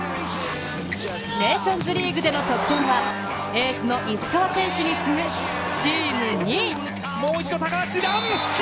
ネーションズリーグでの得点は、エースの石川選手に次ぐ、チーム２位。